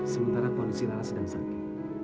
sementara kondisi lala sedang sakit